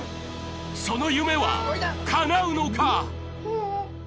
その夢は叶うのか？